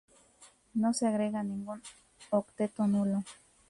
No se agrega ningún octeto nulo.